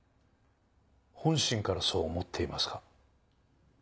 本心からそう思っていますか？